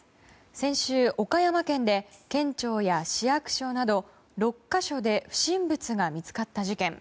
先週、岡山県で県庁や市役所など６か所で不審物が見つかった事件。